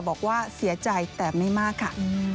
บอกว่าเสียใจแต่ไม่มากค่ะ